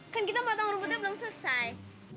kan kita potong rumputnya belum selesai